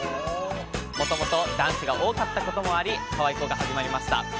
もともと男子が多かったこともあり可愛子が始まりました。